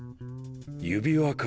指輪か。